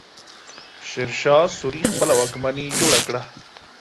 شېرشاه سوري خپله واکمني جوړه کړه.